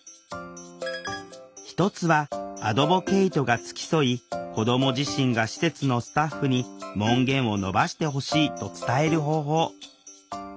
一つはアドボケイトが付き添い子ども自身が施設のスタッフに「門限を延ばしてほしい」と伝える方法。